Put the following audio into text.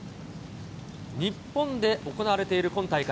日本で行われている今大会。